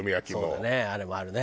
そうだねあれもあるね。